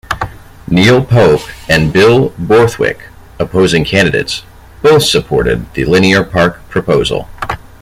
Neil Pope and Bill Borthwick, opposing candidates, both supported the linear park proposal.